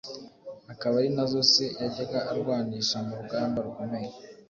akaba ari nazo se yajyga arwanisha mu rugamba rukomeye.